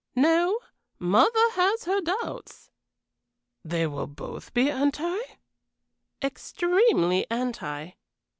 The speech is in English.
"No; mother has her doubts." "They will both be anti?" "Extremely anti."